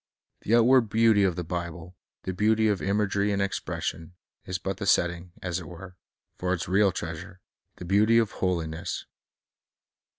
The outward beauty of the Bible, the beauty of imagery and expression, is but the set ting, as it were, for its real treasure, — the beauty of holiness.